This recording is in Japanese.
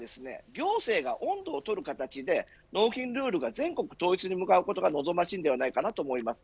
行政が音頭を取る形で納品ルールが全国統一に向かうことが望ましいと思います。